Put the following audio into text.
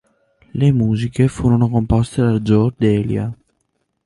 Le musiche furono composte da Joe Delia.